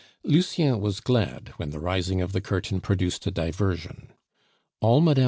Lucien was glad when the rising of the curtain produced a diversion. All Mme.